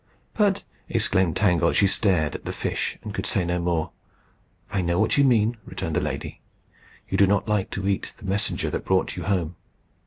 "But," exclaimed Tangle. And she stared at the fish, and could say no more. "I know what you mean," returned the lady. "You do not like to eat the messenger that brought you home.